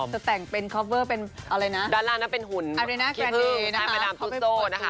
แสงเป็นคอเวอร์เป็นอะไรนะด้านล่างนั้นเป็นหุนอาริน่ากรานดีให้มาดามทุศโต้นะคะ